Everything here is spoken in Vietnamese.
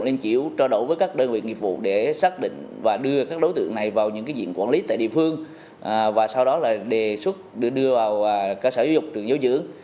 liên triểu trao đổi với các đơn vị nghiệp vụ để xác định và đưa các đối tượng này vào những diện quản lý tại địa phương và sau đó là đề xuất đưa vào cơ sở giáo dục trường giáo dưỡng